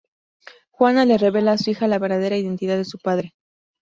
Juana le revela a su hija la verdadera identidad de su padre.